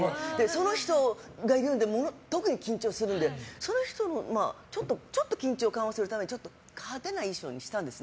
その人を前にすると特に緊張するのでちょっと緊張を緩和するために派手な衣装にしたんです。